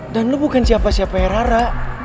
dan lo bukan siapa siapa ya rara